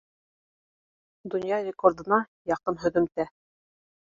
Донъя рекордына яҡын һөҙөмтә